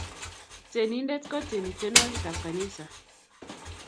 Tienindet kotieni tienwokik ab kanisa.